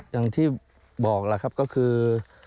อย่างที่บอกล่ะครับก็คือ